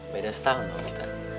beda setahun dong kita